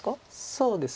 そうですね。